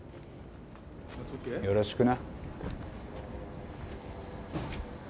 よろしくな。